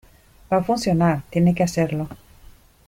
va a funcionar. tiene que hacerlo .